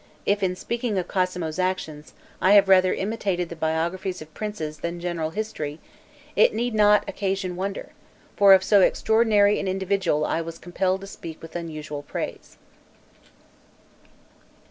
If, in speaking of Cosmo's actions, I have rather imitated the biographies of princes than general history, it need not occasion wonder; for of so extraordinary an individual I was compelled to speak with unusual praise.